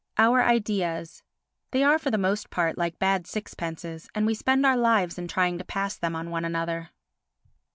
Our Ideas They are for the most part like bad sixpences and we spend our lives in trying to pass them on one another.